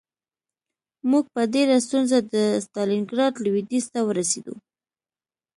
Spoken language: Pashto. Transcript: موږ په ډېره ستونزه د ستالینګراډ لویدیځ ته ورسېدو